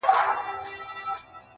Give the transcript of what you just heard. لا تیاره وه په اوږو یې ساه شړله!!